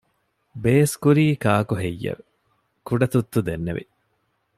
ބޭސްކުރީ ކާކުހެއްޔެވެ؟ ކުޑަތުއްތު ދެންނެވި